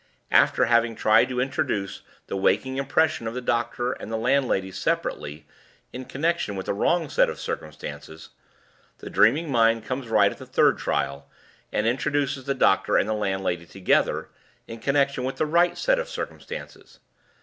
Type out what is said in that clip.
After having tried to introduce the waking impression of the doctor and the landlady separately, in connection with the wrong set of circumstances, the dreaming mind comes right at the third trial, and introduces the doctor and the landlady together, in connection with the right set of circumstances.